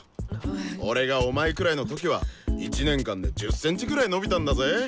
俺がお前くらいの時は１年間で１０センチくらい伸びたんだぜ。